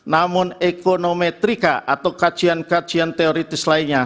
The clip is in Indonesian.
namun ekonomitrika atau kajian kajian teoritis lainnya